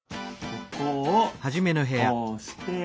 ここをこうしてっと。